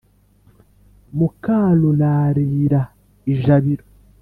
muka rurarira ijabiro.